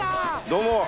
どうも。